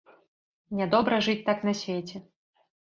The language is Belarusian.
Нядобра жыць так на свеце.